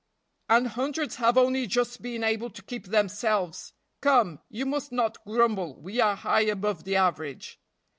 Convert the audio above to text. "And hundreds have only just been able to keep themselves. Come, you must not grumble, we are high above the average."